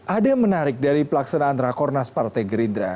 ada yang menarik dari pelaksanaan rakornas partai gerindra